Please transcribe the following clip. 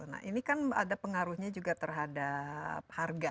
nah ini kan ada pengaruhnya juga terhadap harga